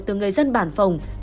từ người dân bản phòng